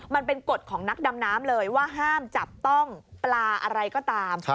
มันเป็นกฎของนักดำน้ำเลยว่าห้ามจับต้องปลาอะไรก็ตาม